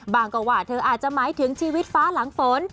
ก็ว่าเธออาจจะหมายถึงชีวิตฟ้าหลังฝน